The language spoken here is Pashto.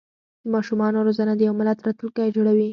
د ماشومانو روزنه د یو ملت راتلونکی جوړوي.